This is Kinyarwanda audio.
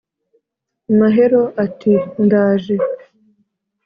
mahero ati: ndaje